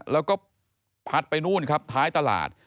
แล้วก็พัดไปนู่นครับท้ายตลาด